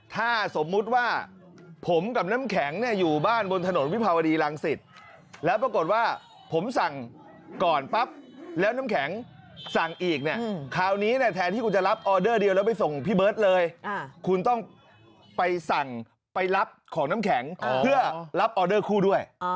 ถ้าสมมุติว่าผมกับน้ำแข็งเนี่ยอยู่บ้านบนถนนวิภาวดีรังสิตแล้วปรากฏว่าผมสั่งก่อนปั๊บแล้วน้ำแข็งสั่งอีกเนี่ยคราวนี้เนี่ยแทนที่คุณจะรับออเดอร์เดียวแล้วไปส่งพี่เบิร์ตเลยคุณต้องไปสั่งไปรับของน้ำแข็งเพื่อรับออเดอร์คู่ด้วย